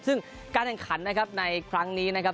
ซึ่งการแข่งขันนะครับในครั้งนี้นะครับ